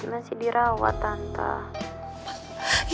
masih dirawat tante